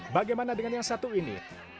bagaimana dengan yang satu ini